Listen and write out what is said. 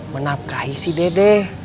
menapkahi si dede